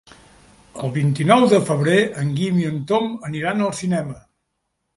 El vint-i-nou de febrer en Guim i en Tom aniran al cinema.